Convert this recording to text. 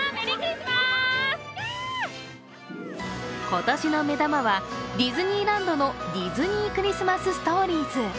今年の目玉はディズニーランドのディズニー・クリスマス・ストーリーズ。